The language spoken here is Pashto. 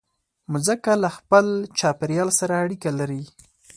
مځکه له خپل چاپېریال سره اړیکه لري.